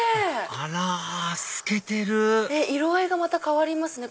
あら透けてる色合いがまた変わりますね